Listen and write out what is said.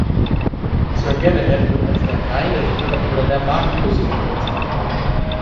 Sir Galahad wird als der „Reine Ritter“ oder der „Makellose Ritter“ bezeichnet.